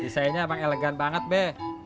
desainnya emang elegan banget be